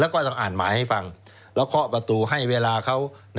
แล้วก็ต้องอ่านหมายให้ฟังแล้วเคาะประตูให้เวลาเขา